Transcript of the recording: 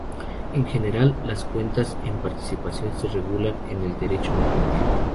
En general, las cuentas en participación se regulan en el Derecho mercantil.